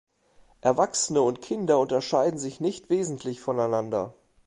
Erwachsene und Kinder unterschieden sich nicht wesentlich voneinander.